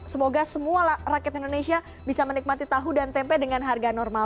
semoga semua rakyat indonesia bisa menikmati tahu dan tempe dengan harga normal